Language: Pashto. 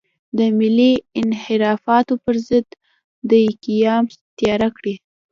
د ملي انحرافاتو پر ضد دې قیام تیاره کړي.